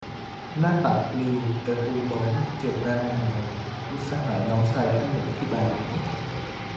หน้าต่างปลิว ประตูล้ม เจ็บระนาว - มิตรสหายน้องชายท่านหนึ่งที่บาหลี